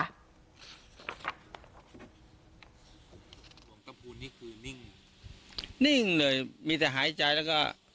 หลวงตะพูนนี่คือนิ่งนิ่งเลยมีแต่หายใจแล้วก็